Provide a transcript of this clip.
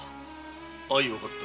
相わかった。